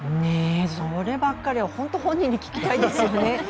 そればっかりは本人に聞きたいですよね。